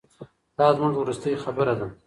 دا زموږ وروستۍ خبره ده.